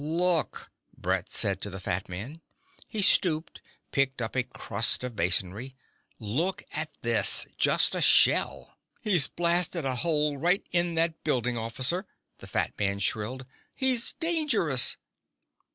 "Look!" Brett said to the fat man. He stooped, picked up a crust of masonry. "Look at this just a shell " "He's blasted a hole right in that building, officer!" the fat man shrilled. "He's dangerous."